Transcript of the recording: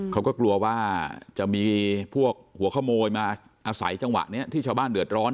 เขาก็กลัวว่าจะมีพวกหัวขโมยมาอาศัยจังหวะนี้ที่ชาวบ้านเดือดร้อน